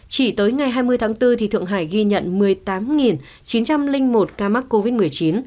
chỉ tới ngày hai mươi tháng bốn thượng hải ghi nhận một mươi tám chín trăm linh một ca mắc covid một mươi chín